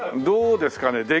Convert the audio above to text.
どうですかね？